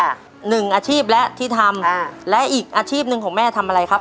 ๑อาชีพและที่ทำและอีกอาชีพหนึ่งของแม่ทำอะไรครับ